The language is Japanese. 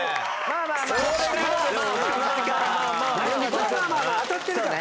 まあまあ当たってるから。